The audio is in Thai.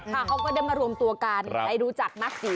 เขาก็ได้มารวมตัวการให้รู้จักมากกี่